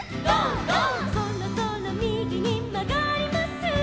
「そろそろみぎにまがります」